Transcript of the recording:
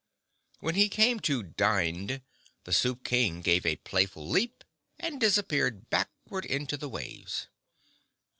When he came to "dined," the Soup King gave a playful leap and disappeared backward into the waves.